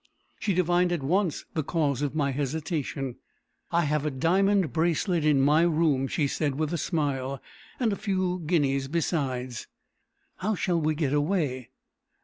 She divined at once the cause of my hesitation. "I have a diamond bracelet in my room," she said, with a smile, "and a few guineas besides." "How shall we get away?"